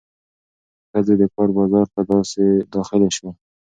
ښځې د کار بازار ته داخلې شوې.